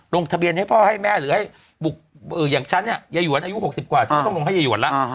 ลงทะเบียนให้พ่อให้แม่หรือให้บุกอย่างฉันเนี่ยยายหวนอายุ๖๐กว่าฉันก็ต้องลงให้ยายหวนแล้ว